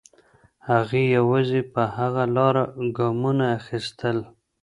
هغې یوازې په هغه لاره ګامونه اخیستل.